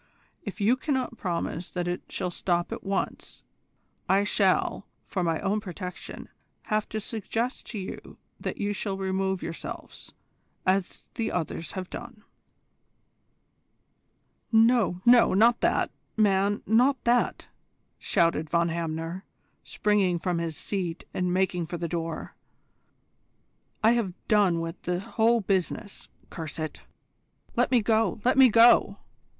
If you cannot promise that it shall stop at once I shall, for my own protection, have to suggest to you that you shall remove yourselves, as the others have done." "No, no, not that, man, not that!" shouted Von Hamner, springing from his seat and making for the door. "I have done with the whole business, curse it! Let me go, let me go!